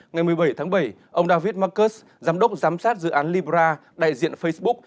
ngày một mươi bảy tháng bảy ông david marcus giám đốc giám sát dự án libra đại diện facebook